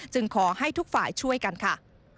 ขอให้ทุกฝ่ายช่วยกันค่ะ